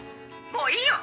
もういいよ！